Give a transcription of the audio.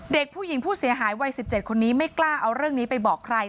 เด็กผู้หญิงผู้เสียหายวัย๑๗คนนี้ไม่กล้าเอาเรื่องนี้ไปบอกใคร